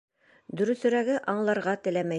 Дөрөҫөрәге, аңларға теләмәй.